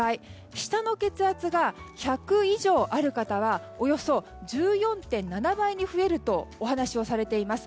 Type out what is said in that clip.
下の血圧が１００以上ある方はおよそ１４．７倍に増えるとお話しされています。